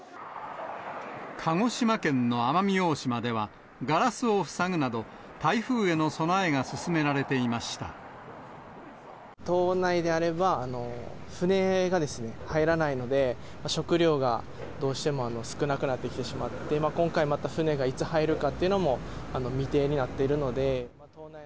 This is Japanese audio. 鹿児島県の奄美大島では、ガラスを塞ぐなど、台風への備えが進め島内であれば、船が入らないので、食料がどうしても少なくなってきてしまって、今回また船がいつ入るかっていうのも未定になっているので。